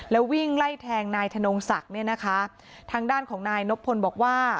แล้ววิ่งไล่แทงนายธนงศักดิ์เนี่ยนะคะทางด้านของนายนบพลบอกว่า